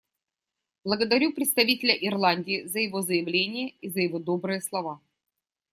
Благодарю представителя Ирландии за его заявление и за его добрые слова.